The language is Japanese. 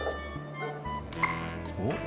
おっ？